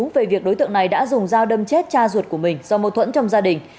về việc đối tượng này đã dùng dao đâm chết cha ruột của mình do mâu thuẫn trong gia đình